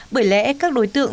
bởi lẽ các đối tượng